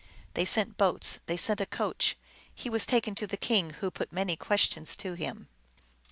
They sent boats, they sent a coach ; he was taken to the king, who put many questions to him.